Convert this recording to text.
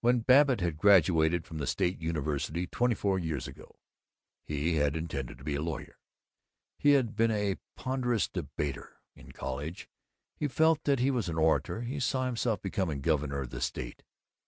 When Babbitt had graduated from the State University, twenty four years ago, he had intended to be a lawyer. He had been a ponderous debater in college; he felt that he was an orator; he saw himself becoming governor of the state.